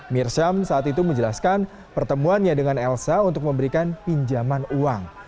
mirsam saat itu menjelaskan pertemuannya dengan elsa untuk memberikan pinjaman uang